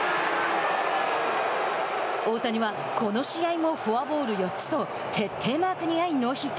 大谷は、この試合もフォアボール４つと徹底マークに合いノーヒット。